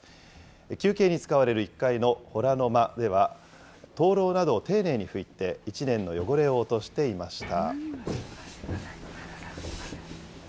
休憩に使われる１階の洞の間では、灯籠などを丁寧に拭いて、一年の汚れを落としていました。